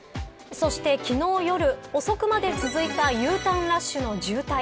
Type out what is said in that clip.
そして昨日夜、遅くまで続いたＵターンラッシュの渋滞。